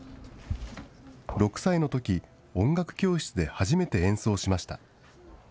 ６歳のとき、音楽教室で初めて演奏しました。